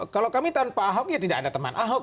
kalau kami tanpa ahok ya tidak ada teman ahok